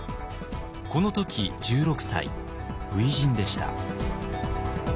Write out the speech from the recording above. この時１６歳初陣でした。